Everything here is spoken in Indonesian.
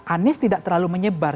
anies tidak terlalu menyebar